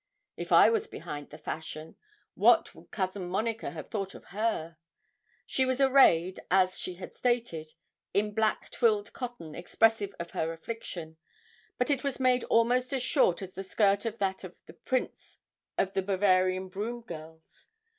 If I was behind the fashion, what would Cousin Monica have thought of her? She was arrayed, as she had stated, in black twilled cotton expressive of her affliction; but it was made almost as short in the skirt as that of the prints of the Bavarian broom girls.